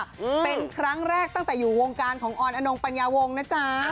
อืมเป็นครั้งแรกตั้งแต่อยู่วงการของออนอนงปัญญาวงนะจ๊ะ